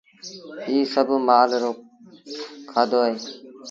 ايٚ سڀ مآل رو کآڌو اهي۔